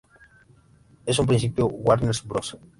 En un principio, Warner Bros.